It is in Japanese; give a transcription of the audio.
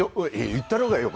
言ったろうがよ。